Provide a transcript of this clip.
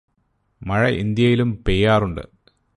മഴ ഇന്ത്യയിലും പെയ്യാറുണ്ട്